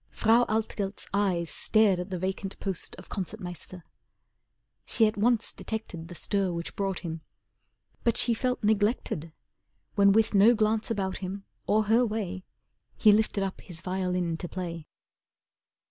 Frau Altgelt's eyes stared at the vacant post Of Concert Meister, she at once detected The stir which brought him. But she felt neglected When with no glance about him or her way, He lifted up his violin to play.